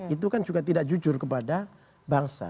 itu kan juga tidak jujur kepada bangsa